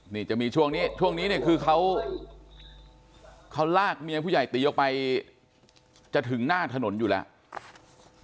นี่จะมีช่วงนี้ช่วงนี้เนี่ยคือเขาลากเมียผู้ใหญ่ตีออกไปจะถึงหน้าถนนอยู่แล้ว